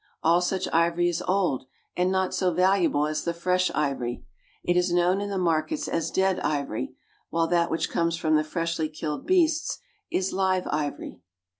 All such ivory is old, and not so valuable as the fresh ivory. It is known in the markets as dead ivory, while that which comes from the freshly killed beasts is live ivory.